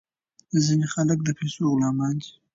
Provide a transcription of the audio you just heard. ځینې خلک د پیسو غلامان دي.